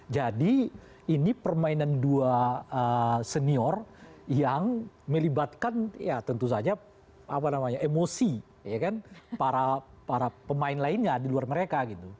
jadi ini permainan dua senior yang melibatkan tentu saja emosi para pemain lainnya di luar mereka